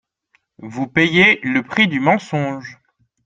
Vous payez le prix du mensonge